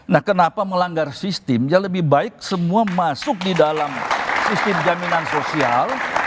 nah kenapa melanggar sistem yang lebih baik semua masuk di dalam sistem jaminan sosial